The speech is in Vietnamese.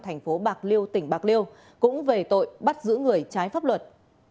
thành phố bạc liêu tỉnh bạc liêu cũng về tội bắt giữ người trái pháp luật